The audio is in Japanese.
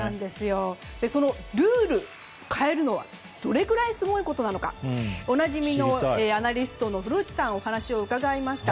そのルール変えるのはどれくらいすごいことなのかおなじみのアナリストの古内さんにお話を伺いました。